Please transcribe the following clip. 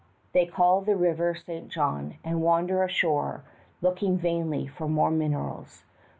They call the river St. John, and wander ashore, looking vainly for more minerals.